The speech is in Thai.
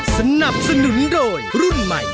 สนับสนุนโดยรุ่นใหม่